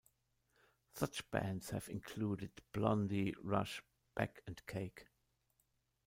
Such bands have included Blondie, Rush, Beck and Cake.